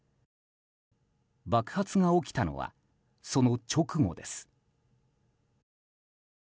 爆発が起きたのはその直後です。